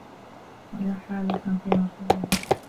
وَلَا حَالَّةً فِي مَرْكَزِهَا